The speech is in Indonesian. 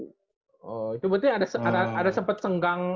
oh itu berarti ada sempat senggang